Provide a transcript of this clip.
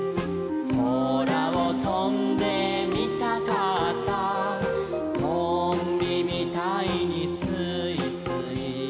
「そらをとんでみたかった」「とんびみたいにすいすい」